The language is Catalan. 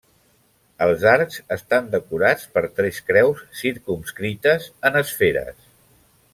Els arcs estan decorats per tres creus circumscrites en esferes.